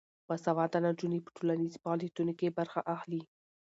باسواده نجونې په ټولنیزو فعالیتونو کې برخه اخلي.